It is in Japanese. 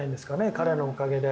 彼のおかげで。